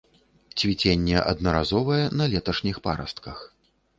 Цвіценне аднаразовае, на леташніх парастках.